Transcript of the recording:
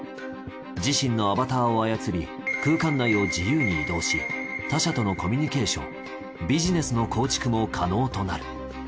自身のアバターを操り空間内を自由に移動し他者とのコミュニケーションビジネスの構築も可能となる。